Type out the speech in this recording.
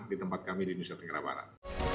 di tempat kami di nusa tenggara barat